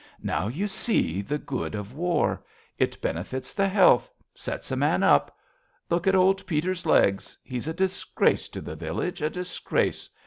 Now you see The good of war. It benefits the health. Sets a man up. Look at old Peter's legs. He's a disgrace to the village, a dis grace